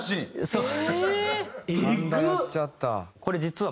そう。